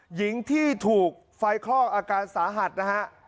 หญิงที่ถูกไฟคลอกอาการสาหัสนะฮะ